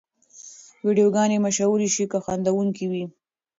ویډیوګانې مشهورې شي که خندوونکې وي.